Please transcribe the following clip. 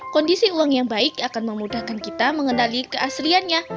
kondisi uang yang baik akan memudahkan kita mengenali keasliannya